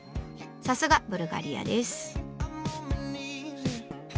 さすがブルガリアです。